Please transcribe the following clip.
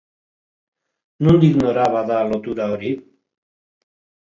Nondik nora, bada, lotura hori?